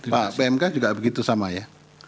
pak pmk juga begitu sama ya